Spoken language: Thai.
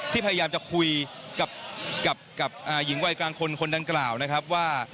พยายามจะคุยกับหญิงวัยกลางคนคนดังกล่าวนะครับว่า